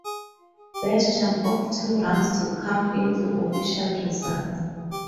Best jump of two rounds to count into official results.